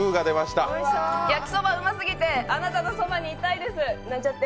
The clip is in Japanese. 焼きそばうますぎて、あなたのそばにいたいです、なんちゃって。